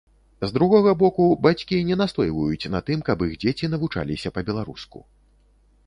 З другога боку, бацькі не настойваюць на тым, каб іх дзеці навучаліся па-беларуску.